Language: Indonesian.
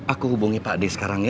aku hubungi pakde sekarang ya